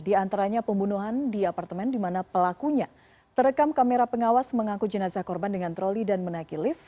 di antaranya pembunuhan di apartemen di mana pelakunya terekam kamera pengawas mengaku jenazah korban dengan troli dan menaiki lift